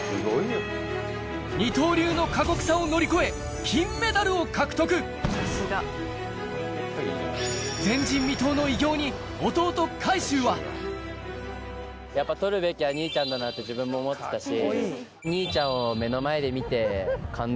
二刀流の過酷さを乗り越え金メダルを獲得前人未到の偉業に弟海祝はやっぱ取るべきは兄ちゃんだなって自分も思ってたし。